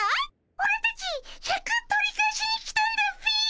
オラたちシャク取り返しに来たんだっピ。